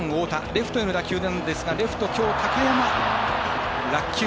レフトへの打球なんですがレフト、きょう高山、落球。